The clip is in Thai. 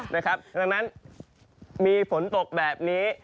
ดังนั้นมีฝนตกแบบนี้